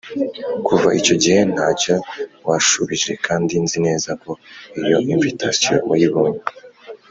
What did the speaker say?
Kuva icyo gihe ntacyo wanshubije kandi nzi neza ko iyo invitation wayibonye.